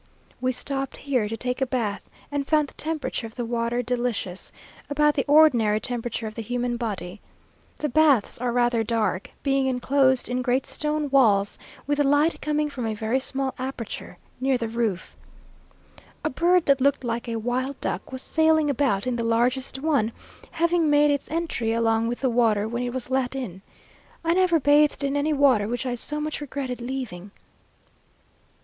We stopped here to take a bath, and found the temperature of the water delicious, about the ordinary temperature of the human body. The baths are rather dark, being enclosed in great stone walls, with the light coming from a very small aperture near the roof. A bird, that looked like a wild duck, was sailing about in the largest one, having made its entry along with the water when it was let in. I never bathed in any water which I so much regretted leaving.